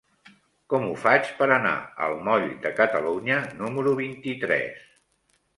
Com ho faig per anar al moll de Catalunya número vint-i-tres?